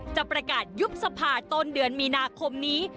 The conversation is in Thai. จะประกาศยุบสภาต้นเดือนมีนาคมนี้